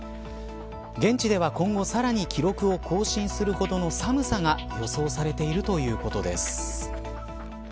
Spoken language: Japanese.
現地では、今後さらに記録を更新するほどの寒さが予想されているということです。